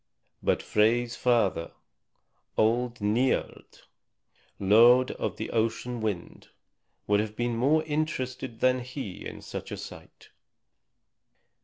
But Frey's father, old Niörd, lord of the ocean wind, would have been more interested than he in such a sight.